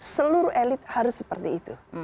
seluruh elit harus seperti itu